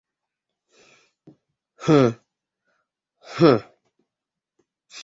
Һы-һы...